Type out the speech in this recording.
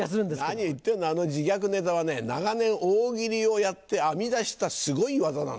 何を言ってんのあの自虐ネタはね長年大喜利をやって編み出したすごいワザなんだから。